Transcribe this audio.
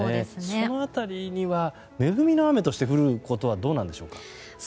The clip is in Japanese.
その辺りには恵みの雨として降ることはどうでしょうか？